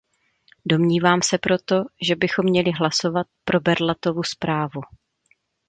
Domnívám se proto, že bychom měli hlasovat pro Berlatovu zprávu.